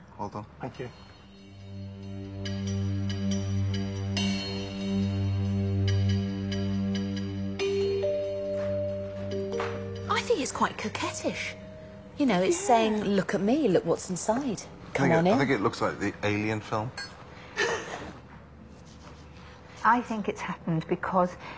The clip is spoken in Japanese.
はい。